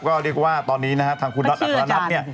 ก็เรียกว่าตอนนี้นะฮะทางคุณน็อัครนัทเนี่ย